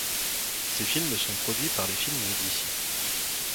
Ses films sont produits par Les Films d'ici.